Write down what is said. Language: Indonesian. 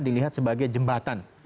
dilihat sebagai jembatan